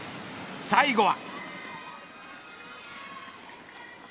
最後は。